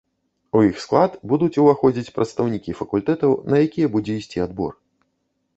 У іх склад будуць уваходзіць прадстаўнікі факультэтаў, на якія будзе ісці адбор.